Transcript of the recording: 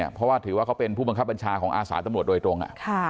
เพราะว่าถือว่าเขาเป็นผู้บังคับบัญชาของอาสาตำรวจโดยตรง